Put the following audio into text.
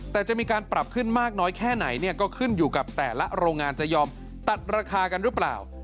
แต่จะมีการปรับขึ้นมากน้อยแค่ไหนเนี่ยก็ขึ้นอยู่กับแต่ละโรงงานจะยอมตัดราคากันหรือเปล่า